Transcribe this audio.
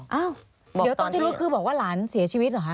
เอ้าเดี๋ยวตอนที่รู้คือบอกว่าหลานเสียชีวิตเหรอคะ